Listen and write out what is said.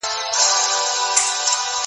که زیاته ډوډۍ ماڼۍ ته یوړل سي، خوښ به سم.